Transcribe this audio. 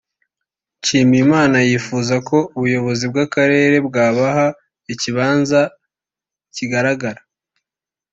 Nshimiyimana yifuza ko ubuyobozi bw’akarere bwabaha ikibanza kigaragara